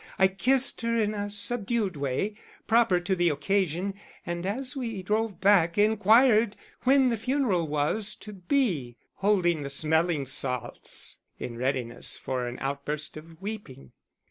I kissed her in a subdued way, proper to the occasion; and as we drove back, inquired when the funeral was to be, holding the smelling salts in readiness for an outburst of weeping.